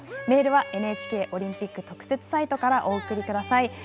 メールはＮＨＫのオリンピック特設サイトからお送りください。